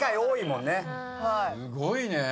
すごいね！